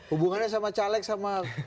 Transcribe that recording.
hubungannya sama caleg sama